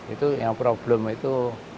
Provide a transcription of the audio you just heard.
itu yang problem itu